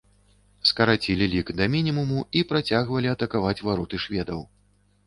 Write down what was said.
Скарацілі лік да мінімуму і працягвалі атакаваць вароты шведаў.